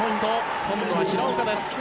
今度は平岡です。